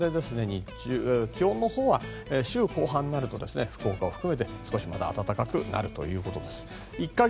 日中、気温のほうは週後半になると福岡も含めて少しまた暖かくなるということです。